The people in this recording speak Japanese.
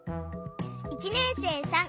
「１年生さん